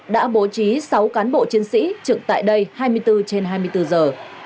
đã bố trí sáu cán bộ chiến sĩ trực tại đây hai mươi bốn trên hai mươi bốn giờ